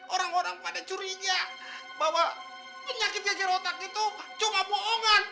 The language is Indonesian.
orang orang pada curinya bahwa penyakit jajar otak itu cuma boongan